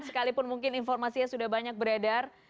sekalipun mungkin informasinya sudah banyak beredar